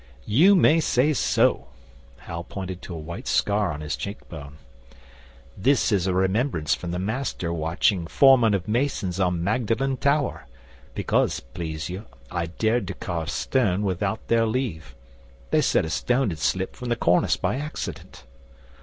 'You may say so!' Hal pointed to a white scar on his cheekbone. 'This is a remembrance from the Master watching Foreman of Masons on Magdalen Tower, because, please you, I dared to carve stone without their leave. They said a stone had slipped from the cornice by accident.